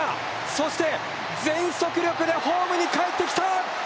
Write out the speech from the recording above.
そして、全速力でホームに帰ってきた。